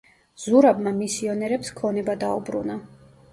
ზურაბმა მისიონერებს ქონება დაუბრუნა.